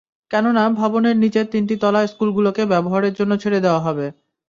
কেননা ভবনের নিচের তিনটি তলা স্কুলগুলোকে ব্যবহারের জন্য ছেড়ে দেওয়া হবে।